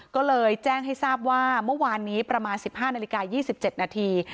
ก็เลยแจ้งให้ทราบว่าเมื่อวานนี้ประมาณ๑๕นาฬิกา๒๗นาที